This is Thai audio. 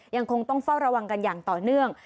ยังคงต้องเฝ้าระวังกันอย่างต่อเนื่อง